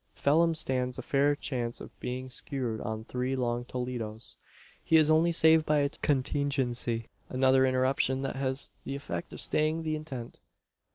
Phelim stands a fair chance of being skewered on three long Toledos. He is only saved by a contingency another interruption that has the effect of staying the intent.